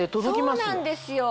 そうなんですよ。